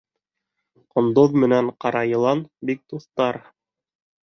Ҡондоҙ менән ҡара йылан бик дуҫтар.